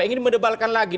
ingin mendebalkan lagi